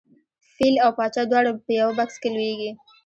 فیل او پاچا دواړه په یوه بکس کې لویږي.